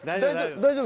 大丈夫。